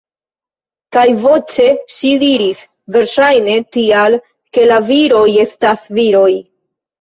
Kaj voĉe ŝi diris: -- Verŝajne tial, ke la viroj estas viroj.